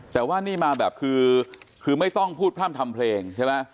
แต่ว่านี่มาแบบคือไม่ต้องพูดพร่ำทำเพลงใช่ไหม